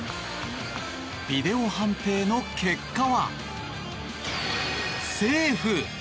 ビデオ判定の結果はセーフ。